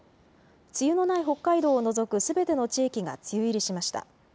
梅雨のない北海道を除く、すべての地域が梅雨入りしました。